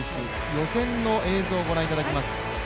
予選の映像をご覧いただきます。